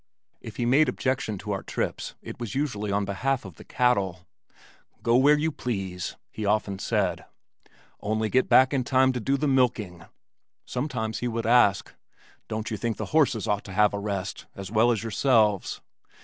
If he made objection to our trips it was usually on behalf of the cattle. "Go where you please," he often said, "only get back in time to do the milking." Sometimes he would ask, "Don't you think the horses ought to have a rest as well as yourselves?"